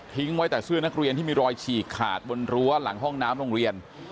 ไว้แต่เสื้อนักเรียนที่มีรอยฉีกขาดบนรั้วหลังห้องน้ำโรงเรียน